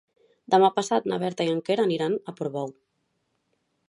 Demà passat na Berta i en Quer aniran a Portbou.